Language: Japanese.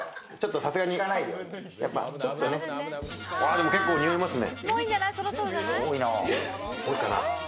でも結構においますね。